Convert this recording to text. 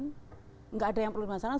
tidak ada yang perlu dimasalah